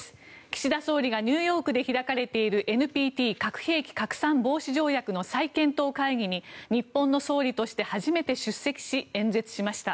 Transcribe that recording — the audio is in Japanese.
岸田総理がニューヨークで開かれているＮＰＴ・核兵器拡散防止条約の再検討会議に日本の総理として初めて出席し、演説しました。